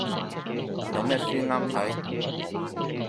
有咩書啱睇